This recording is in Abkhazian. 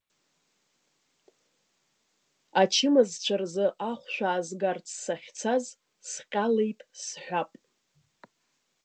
Ачымазцәа рзы ахәшә аазгарц сахьцаз сҟьалеит сҳәап.